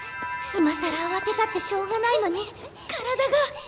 いまさらあわてたってしょうがないのに体が。